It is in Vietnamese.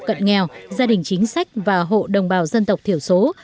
cận nghèo gia đình chính sách và hộ đồng bào dân tộc thiểu số